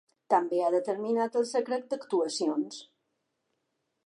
També ha determinat el secret d’actuacions.